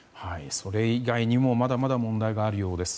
それ以外にもまだまだ問題があるようです。